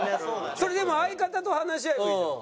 それでも相方と話し合えばいいじゃん。